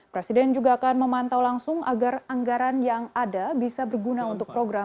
presiden juga akan memantau langsung agar anggaran yang ada bisa berguna untuk program